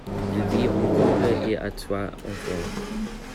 Elle vit en couple et a trois enfants.